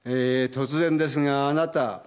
突然ですがあなた。